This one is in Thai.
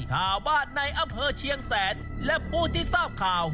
ชาวบ้านในอำเภอเชียงแสนและผู้ที่ทราบข่าว